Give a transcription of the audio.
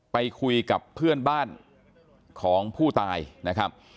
ไปคุยกับเพื่อนบ้านของผู้ตายนะครับ